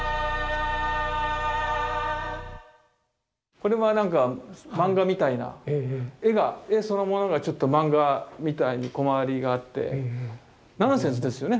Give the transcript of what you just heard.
これは何かマンガみたいな絵そのものがマンガみたいにコマ割りがあってナンセンスですよね。